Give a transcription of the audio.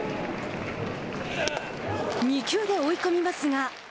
２球で追い込みますが。